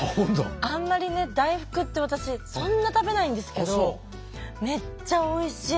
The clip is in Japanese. あんまりね大福って私そんな食べないんですけどめっちゃおいしい。